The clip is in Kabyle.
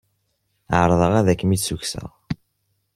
Ɛerḍeɣ ad kem-id-ssukkseɣ.